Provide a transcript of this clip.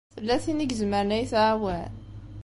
Tella tin i izemren ad yi-tɛawen?